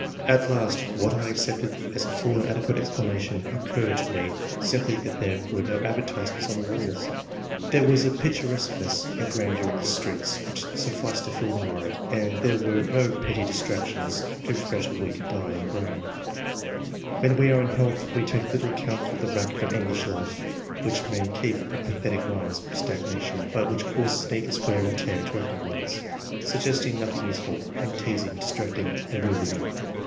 At last, what I accept as a fall and adequate explanation, occurred to me ; simply that there were no advertisements on the walls. There was a pic 230 ENGLISH MEN OF SCIENCE. [chap. ■ turesqueness and grandeur in its streets which sufficed to fill the mind, and there were no petty distractions to fret a weakened eye and brain. When we are in health we take little count of the racket of English life, which may keep apa thetic minds from stagnation, but which causes needless wear and tear to active ones, suggest ing nothing useful, and teasing, distracting and wearying.